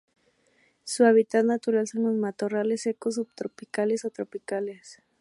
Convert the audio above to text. Su hábitat natural son los matorrales secos subtropicales o tropicales.